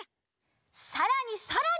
さらにさらに！